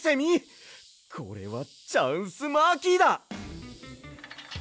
これはチャンスマーキーだ！